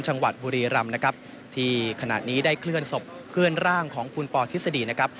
จังหวัดบุรีรำนะครับที่ขณะนี้ได้เคลื่อนศพเคลื่อนร่างของคุณปอทฤษฎีนะครับ